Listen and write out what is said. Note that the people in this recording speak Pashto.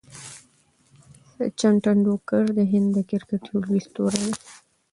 سچن ټندولکر د هند د کرکټ یو لوی ستوری دئ.